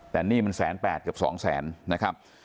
แต่นี่มัน๑๘๐๐๐๐กับ๒๐๐๐๐๐นะครับ